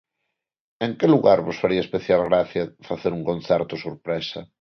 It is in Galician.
En que lugar vos faría especial gracia facer un concerto sorpresa?